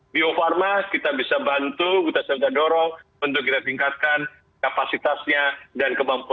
bio farma kita bisa bantu kita sudah dorong untuk kita tingkatkan kapasitasnya dan kemampuan